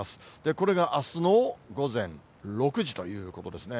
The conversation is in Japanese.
これがあすの午前６時ということですね。